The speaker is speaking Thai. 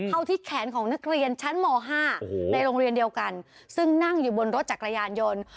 ที่แขนของนักเรียนชั้นม๕ในโรงเรียนเดียวกันซึ่งนั่งอยู่บนรถจักรยานยนต์